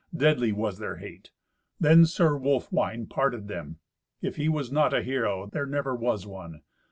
Deadly was their hate. Then Sir Wolfwine parted them. If he was not a hero, there never was one.